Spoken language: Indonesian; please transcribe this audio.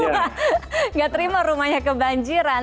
tidak terima rumahnya kebanjiran